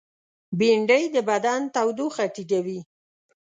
بېنډۍ د بدن تودوخه ټیټوي